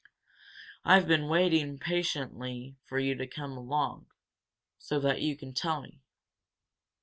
I've been waiting patiently for you to come along, so that you could tell me."